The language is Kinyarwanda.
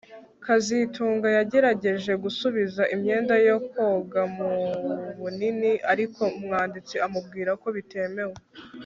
kazitunga yagerageje gusubiza imyenda yo koga mu bunini ariko umwanditsi amubwira ko bitemewe